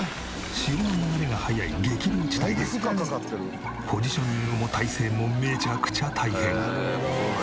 潮の流れが速い激流地帯でポジショニングも体勢もめちゃくちゃ大変。